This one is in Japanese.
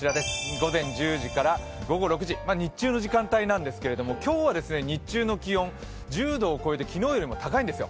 午前１０時から午後６時日中の時間帯なんですが今日は日中の気温、１０度を超えて昨日よりも高いんですよ。